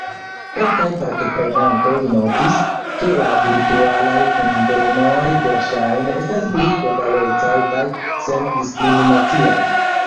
Kelkaj partoprenantoj notis, ke la virtualaj kunvenoj verŝajne estas pli egalecaj kaj sen-diskriminaciaj.